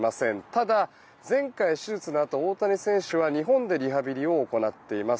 ただ、前回手術のあと大谷選手は日本でリハビリを行っています。